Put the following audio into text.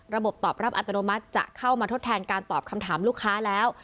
ตอบรับอัตโนมัติจะเข้ามาทดแทนการตอบคำถามลูกค้าแล้ว